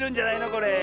これ。